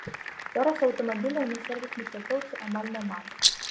Зараз аўтамабіляў на сервіснай пляцоўцы амаль няма.